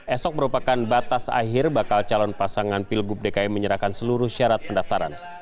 esok merupakan batas akhir bakal calon pasangan pilgub dki menyerahkan seluruh syarat pendaftaran